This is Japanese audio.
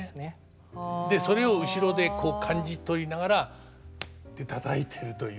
それを後ろでこう感じ取りながらってたたいてるという。